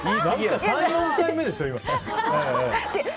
３４回目ですよ。